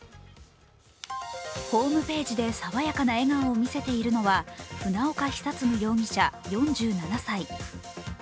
ホームページで爽やかな笑顔を見せているのは、船岡久嗣容疑者４７歳。